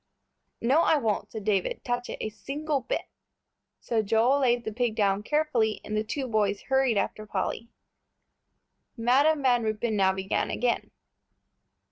"No, I won't," said David, "touch it a single bit." So Joel laid the pig carefully down, and the two boys hurried after Polly. Madam Van Ruypen now began again.